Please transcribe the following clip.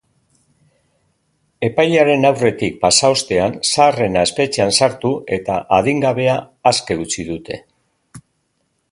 Epailearen aurretik pasa ostean, zaharrena espetxean sartu eta adingabea aske utzi dute.